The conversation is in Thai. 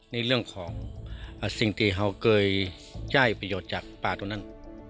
ในเรื่องของสิ่งที่เขาเคยได้ประโยชน์จากปลาตัวนั้น